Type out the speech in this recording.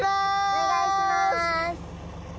お願いします。